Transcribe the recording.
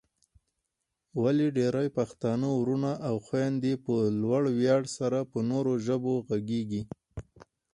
ولې ډېرای پښتانه وروڼه او خويندې په لوړ ویاړ سره په نورو ژبو غږېږي؟